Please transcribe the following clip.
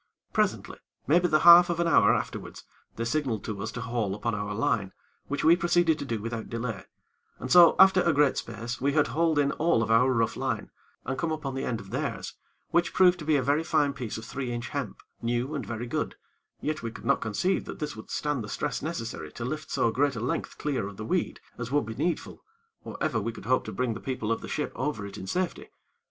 Presently, maybe the half of an hour afterwards, they signaled to us to haul upon our line, which we proceeded to do without delay, and so, after a great space, we had hauled in all of our rough line, and come upon the end of theirs, which proved to be a fine piece of three inch hemp, new and very good; yet we could not conceive that this would stand the stress necessary to lift so great a length clear of the weed, as would be needful, or ever we could hope to bring the people of the ship over it in safety.